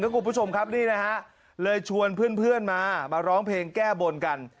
คุณผู้ชมครับนี่นะฮะเลยชวนเพื่อนมามาร้องเพลงแก้บนกัน